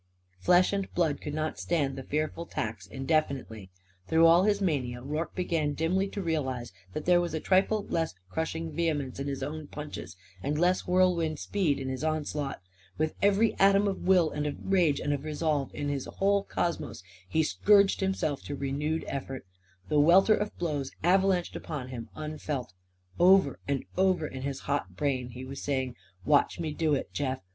Flesh and blood could not stand the fearful tax indefinitely. Through all his mania Rorke began dimly to realise that there was a trifle less crushing vehemence in his own punches and less whirlwind speed in his onslaught. With every atom of will and of rage and of resolve in his whole cosmos, he scourged himself to renewed effort. The welter of blows avalanched upon him, unfelt. Over and over in his hot brain he was saying: "Watch me do it, Jeff!